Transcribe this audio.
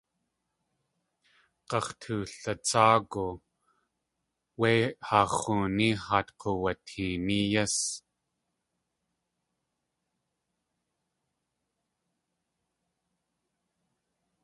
Gax̲tulatsáagu, wé haa x̲ooní haat k̲uwuteeni yís.